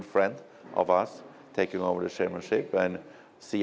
để hoạt hợp một kế hoạch của lịch sử